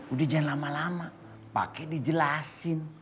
udah jangan lama lama pakai dijelasin